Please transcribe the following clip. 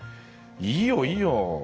いいよ、いいよ。